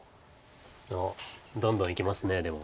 あっどんどんいきますでも。